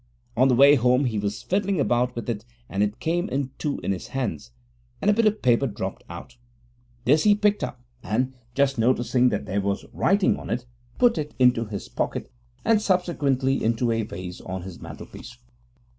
On the way home he was fiddling about with it and it came in two in his hands, and a bit of paper dropped out. This he picked up and, just noticing that there was writing on it, put it into his pocket, and subsequently into a vase on his mantelpiece.